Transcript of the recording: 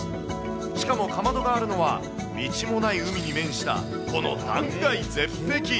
しかもカマドがあるのは、道もない海に面したこの断崖絶壁。